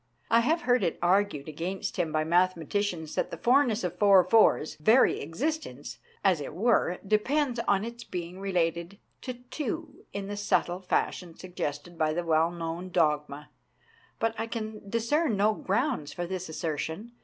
I have heard it argued against him by mathematicians that the fourness of four four's very existence, as it were de pends on its being related to two in the subtle fashion suggested by the well known dogma, but I can discern no grounds for this asser tion.